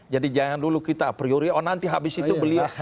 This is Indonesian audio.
jadi jangan dulu kita apriori oh nanti habis itu beliau